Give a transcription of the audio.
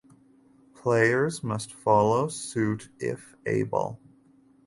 Players must follow suit if able.